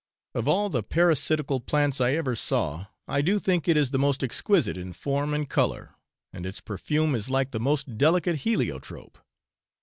Of all the parasitical plants I ever saw, I do think it is the most exquisite in form and colour, and its perfume is like the most delicate heliotrope.